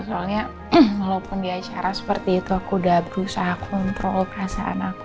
soalnya walaupun di acara seperti itu aku udah berusaha kontrol perasaan aku